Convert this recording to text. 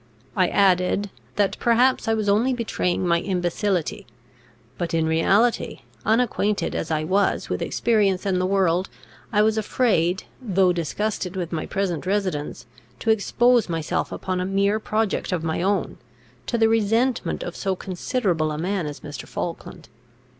I added, that perhaps I was only betraying my imbecility; but in reality, unacquainted as I was with experience and the world, I was afraid, though disgusted with my present residence, to expose myself upon a mere project of my own, to the resentment of so considerable a man as Mr. Falkland.